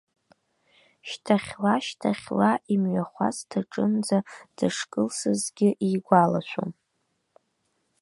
Шьҭахьла, шьҭахьла, амҩахәасҭаҿынӡа дышкылсызгьы игәалашәом.